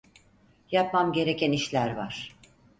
Yapmam gereken işler var.